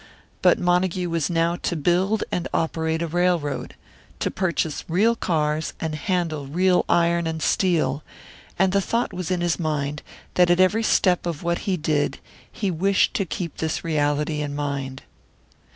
But Montague was now to build and operate a railroad to purchase real cars and handle real iron and steel; and the thought was in his mind that at every step of what he did he wished to keep this reality in mind.